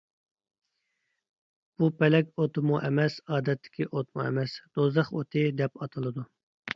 بۇ، پەلەك ئوتىمۇ ئەمەس، ئادەتتىكى ئوتمۇ ئەمەس، «دوزاخ ئوتى» دەپ ئاتىلىدۇ.